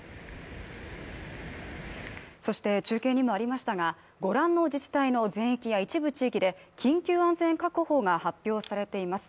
そして中継にもありましたが、ご覧の自治体の一部地域で緊急安全確保が発表されています。